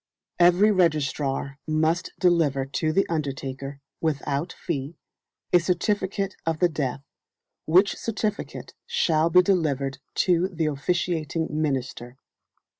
Every registrar must deliver to the undertaker, without fee, a certificate of the death, which certificate shall be delivered to the officiating minister.